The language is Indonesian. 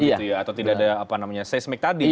atau tidak ada apa namanya seismik tadi